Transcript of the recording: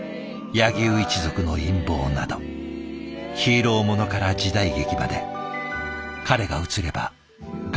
「柳生一族の陰謀」などヒーローものから時代劇まで彼が映れば画面が華やぐ。